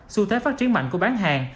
xu thế phát triển mạnh của bán hàng